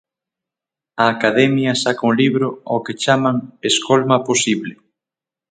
A Academia saca un libro ao que chaman "escolma posible".